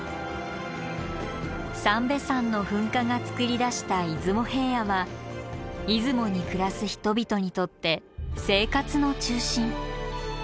三瓶山の噴火がつくり出した出雲平野は出雲に暮らす人々にとって生活の中心。